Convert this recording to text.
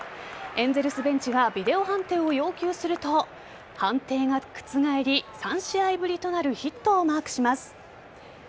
エンゼルスベンチがビデオ判定を要求すると判定が覆り３試合ぶりとなるヒットをマークします。